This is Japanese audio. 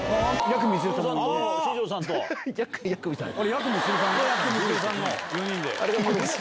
やくみつるさんと４人で。